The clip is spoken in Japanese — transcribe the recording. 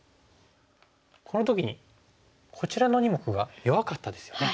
この時にこちらの２目が弱かったですよね。